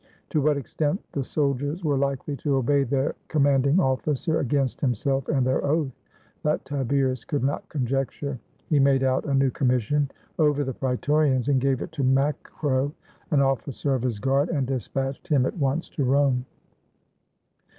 To what extent the soldiers were likely to obey their command ing officer against himself and their oath, that Tiberius could not conjecture. He made out a new commission over the Praetorians, and gave it to Macro, an officer of his guard, and dispatched him at once to Rome.